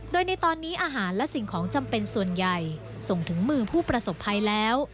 โดยในตอนนี้อาหารและสิ่งของจำเป็นส่วนใหญ่ส่งถึงมือผู้ประสบภัยแล้ว